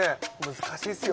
難しいっすよ？